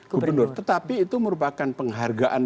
gubernur tetapi itu merupakan penghargaan